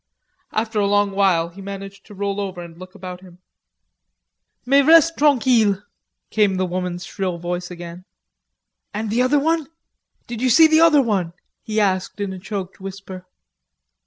After a long while he managed to roll over, and looked about him. "Mais reste tranquille," came the woman's shrill voice again. "And the other one? Did you see the other one?" he asked in a choked whisper.